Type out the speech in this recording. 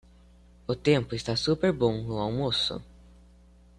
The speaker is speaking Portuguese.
O tempo está super bom no almoço